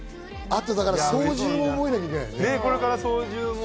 あと操縦も覚えなきゃいけないよね？